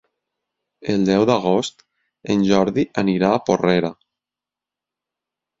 El deu d'agost en Jordi anirà a Porrera.